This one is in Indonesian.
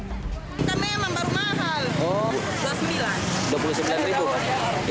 kita memang baru mahal dua puluh sembilan